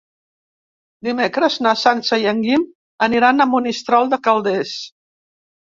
Dimecres na Sança i en Guim aniran a Monistrol de Calders.